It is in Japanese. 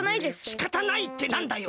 しかたないってなんだよ。